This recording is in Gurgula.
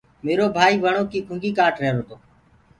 ميرو ڀآئيٚ وڻو ڪي ڪُنگي ڪآٽ رهيرو تو۔